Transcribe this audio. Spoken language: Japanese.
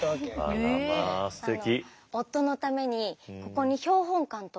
あらまあすてき。